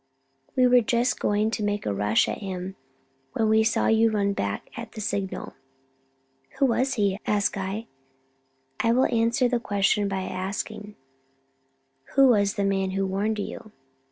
We were just going to make a rush at him when we saw you run back at the signal." "Who was he?" asked I. "I will answer the question by asking: Who was the man who warned you?"